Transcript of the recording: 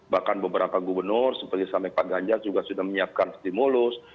bahkan beberapa gubernur seperti sampai pak ganjar juga sudah menyiapkan stimulus